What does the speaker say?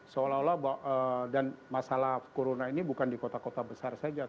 seolah olah dan masalah corona ini bukan di kota kota besar saja